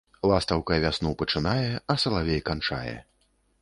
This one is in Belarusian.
Ластаўка вясну пачынае, а салавей канчае